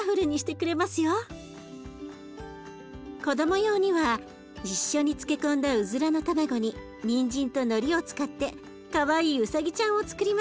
子ども用には一緒に漬け込んだうずらの卵ににんじんとのりを使ってかわいいウサギちゃんをつくりました。